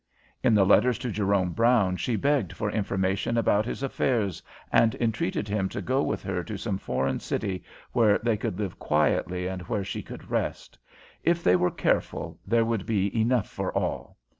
In the letters to Jerome Brown she begged for information about his affairs and entreated him to go with her to some foreign city where they could live quietly and where she could rest; if they were careful, there would "be enough for all."